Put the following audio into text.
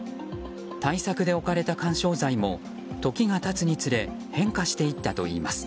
対策で置かれた緩衝材も時が経つにつれ変化していったといいます。